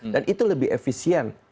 dan itu lebih efisien